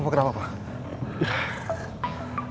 apa kenapa pak